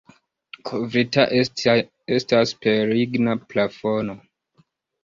Kovrita estas per ligna plafono.